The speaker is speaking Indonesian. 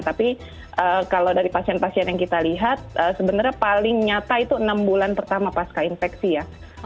tapi kalau dari pasien pasien yang kita lihat sebenarnya paling nyata itu enam bulan pertama pasca infeksi ya